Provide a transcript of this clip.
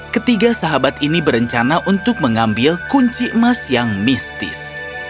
ketiga sahabat ini berencana untuk mengambil kunci emas yang mistis